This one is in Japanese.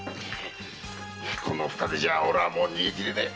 この深傷じゃあ俺はもう逃げきれねえ。